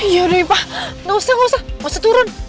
ya udah ibu gak usah gak usah gak usah turun